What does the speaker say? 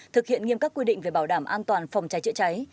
thực hiện nghiêm các quy định về bảo đảm an toàn phòng cháy chữa cháy